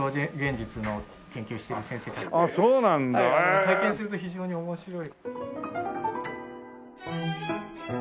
体験すると非常に面白い。